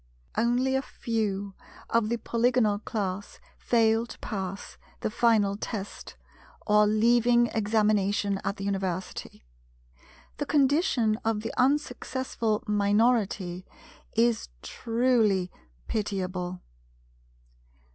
Only a few of the Polygonal Class fail to pass the Final Test or Leaving Examination at the University. The condition of the unsuccessful minority is truly pitiable.